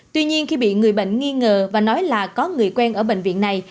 tuy nhiên khi bị người bệnh nghi ngờ và nói là có người quen ở bệnh viện này